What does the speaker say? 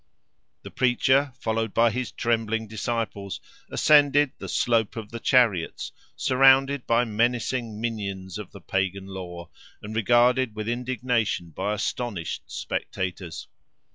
The Preacher, followed by his trembling disciples, ascended "the Slope of the Chariots," surrounded by menacing minions of the Pagan law, and regarded with indignation by astonished spectators.